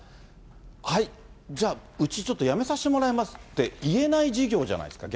はい、じゃあうち、ちょっとやめさせてもらいますって言えない事業じゃないですか。